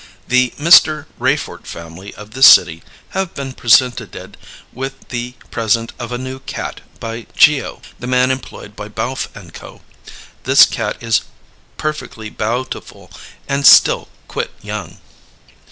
The MR. Rayfort family of this City have been presentde with the present of a new Cat by Geo. the man employeD by Balf & CO. This cat is perfectly baeutiful and still quit young.